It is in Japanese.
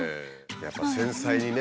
やっぱ繊細にね